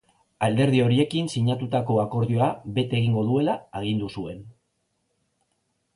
Alderdi horiekin sinatutako akordioa bete egingo duela agindu zuen.